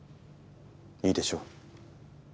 いいでしょう。